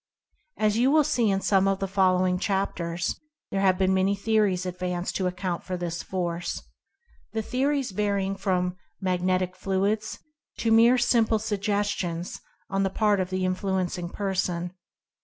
As you will see in some of the following chapters, there have been many theories advanced to account for this Force, the theories varying from "magnetic fluids" to mere simple suggestions on the part of the influencing person.